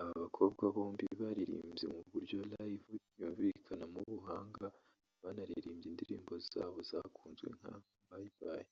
Aba bakobwa bombi baririmbye mu buryo live yumvikanamo ubuhanga banaririmbye indirimbo zabo zakunzwe nka ‘Bye Bye’